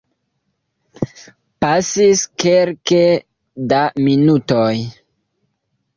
Pasis kelke da minutoj.